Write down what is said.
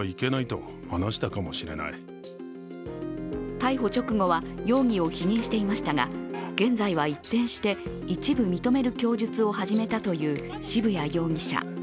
逮捕直後は容疑を否認していましたが、現在は一転して一部認める供述を始めたという渋谷容疑者。